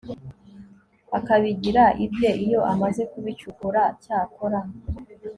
akabigira ibye iyo amaze kubicukura cyakora